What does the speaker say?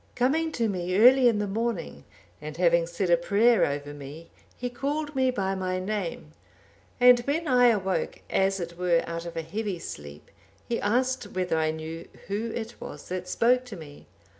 Coming to me early in the morning, and having said a prayer over me, he called me by my name, and when I awoke as it were out of a heavy sleep, he asked whether I knew who it was that spoke to me?